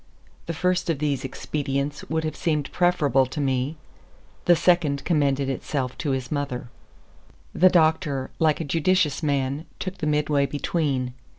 The first of these expedients would have seemed preferable to me; the second commended itself to his mother. The doctor, like a judicious man, took the midway between.